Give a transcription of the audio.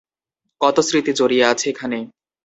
কত স্মৃতি জড়িয়ে আছে এখানে।